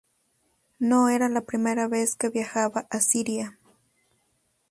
No era la primera vez que viajaba a Siria.